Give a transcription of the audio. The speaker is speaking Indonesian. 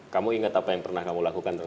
kamu ingat apa yang pernah kamu lakukan